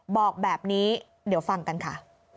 บอกแบบนี้เดี๋ยวฟังกันค่ะ